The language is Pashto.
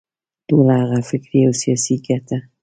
ټوله هغه فکري او سیاسي ګټه.